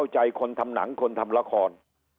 ใจคนทำหนังคนทำละคร